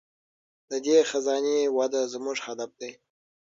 د دې خزانې وده زموږ هدف دی.